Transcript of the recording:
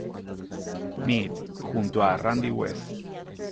Meat", junto a Randy West.